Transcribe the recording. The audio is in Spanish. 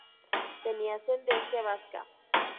Tenía ascendencia vasca.